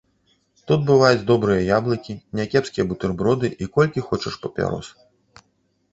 Тут бываюць добрыя яблыкі, някепскія бутэрброды і колькі хочаш папярос.